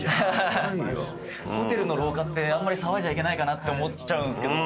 ホテルの廊下ってあんまり騒いじゃいけないかなって思っちゃうんすけど。